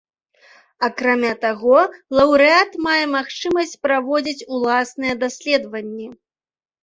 Акрамя таго, лаўрэат мае магчымасць праводзіць уласныя даследаванні.